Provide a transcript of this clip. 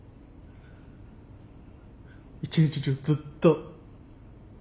一日中ずっと。